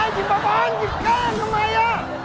ได้จิตแบบบ้านจิตกล้างทำไม